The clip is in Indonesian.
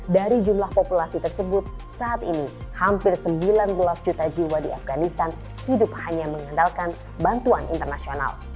dari jumlah populasi tersebut saat ini hampir sembilan belas juta jiwa di afganistan hidup hanya mengandalkan bantuan internasional